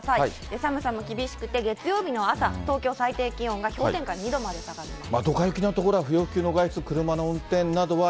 寒さも厳しくて、月曜日の朝、東京、最低気温が氷点下２度まで下がります。